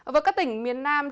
với các tỉnh miền nam